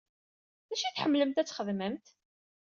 D acu i tḥemmlemt ad txedmemt?